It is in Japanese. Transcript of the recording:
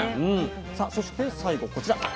さあそして最後こちら。